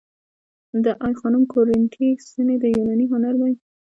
د آی خانم کورینتی ستونې د یوناني هنر دي